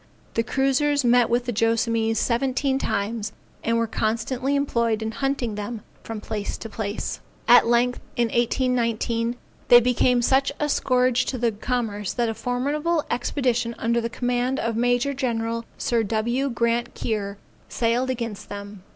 The cruisers met with the Joassamees seventeen times and were constantly employed in hunting them from place to place. At length, in 1819, they became such a scourge to commerce that a formidable expedition under the command of Major General Sir W. Grant Keir, sailed against them.